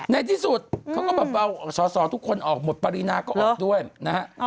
ในที่สุดเขาก็แบบเอาสอสอทุกคนออกหมดปรินาก็ออกด้วยนะฮะ